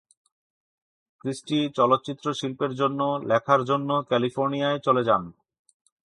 Christie চলচ্চিত্র শিল্পের জন্য লেখার জন্য ক্যালিফোর্নিয়ায় চলে যান।